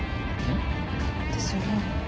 ん？ですよね。